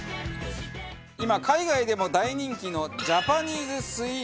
今海外でも大人気のジャパニーズスイーツです。